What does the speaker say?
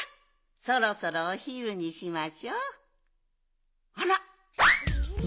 そろそろおひるにしましょあら！？